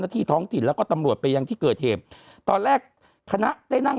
ที่ท้องถิ่นแล้วก็ตำรวจไปยังที่เกิดเหตุตอนแรกคณะได้นั่ง